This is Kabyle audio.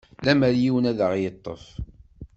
Lemer yiwen ad ɣ-yeṭṭef?